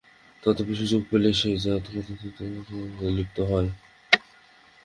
তথাপি সুযোগ পেলেই সে অসৎকার্যে লিপ্ত হয়।